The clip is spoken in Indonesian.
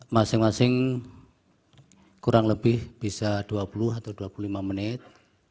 masing masing kurang lebih bisa dua puluh atau dua puluh lima menit